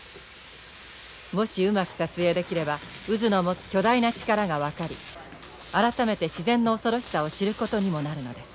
もしうまく撮影できれば渦の持つ巨大な力が分かり改めて自然の恐ろしさを知ることにもなるのです。